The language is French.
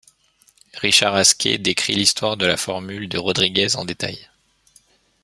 Richard Askey décrit l'histoire de la formule de Rodrigues en détail.